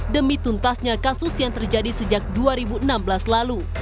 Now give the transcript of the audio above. demi tuntasnya kasus yang terjadi sejak dua ribu enam belas lalu